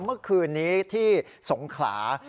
เมื่อคืนนี้ที่สงขลา